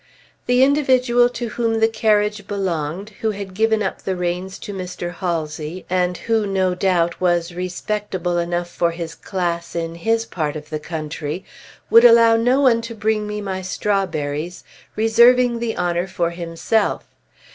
The individual to whom the carriage belonged, who had given up the reins to Mr. Halsey, and who, no doubt, was respectable enough for his class in his part of the country, would allow no one to bring me my strawberries, reserving the honor for himself.